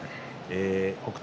北勝